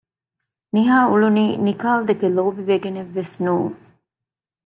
ނިހާ އުޅުނީ ނިކާލްދެކެ ލޯބިވެގެނެއްވެސް ނޫން